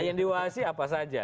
yang diwasi apa saja